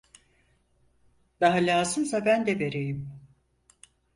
Daha lazımsa ben de vereyim!